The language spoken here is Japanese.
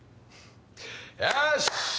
よし！